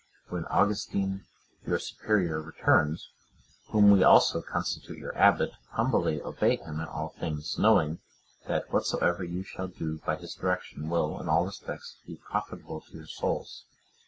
When Augustine, your Superior, returns, whom we also constitute your abbot, humbly obey him in all things; knowing, that whatsoever you shall do by his direction, will, in all respects, be profitable to your souls.